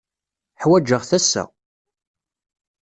Ḥwaǧeɣ-t assa.